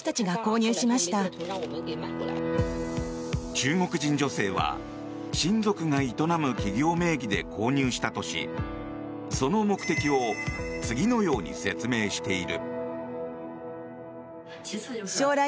中国人女性は親族が営む企業名義で購入したとしその目的を次のように説明している。